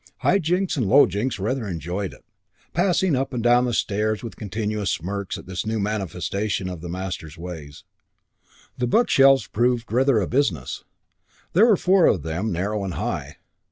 High Jinks and Low Jinks rather enjoyed it, passing up and down the stairs with continuous smirks at this new manifestation of the master's ways. The bookshelves proved rather a business. There were four of them, narrow and high.